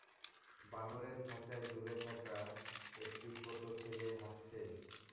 বানরের খাঁচায় ঝুলে থাকা একটি ছোট ছেলে হাসছে।